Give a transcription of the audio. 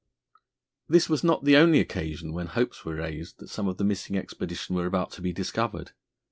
_] This was not the only occasion when hopes were raised that some of the missing expedition were about to be discovered.